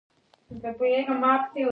موږ دواړو د هولمز لپاره چکچکې وکړې.